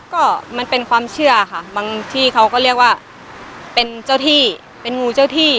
ก็มันเป็นความเชื่อค่ะบางที่เขาก็เรียกว่าเป็นเจ้าที่เป็นงูเจ้าที่